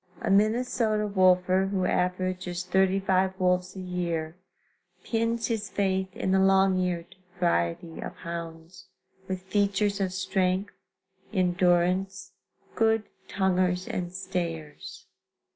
A Minnesota wolfer who averages 35 wolves a year pins his faith in the long eared variety of hounds, with features of strength, endurance, good tonguers and stayers.